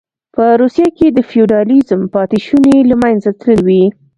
په روسیه کې د فیوډالېزم پاتې شوني له منځه تللې وې